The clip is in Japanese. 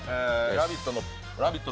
「ラヴィット！」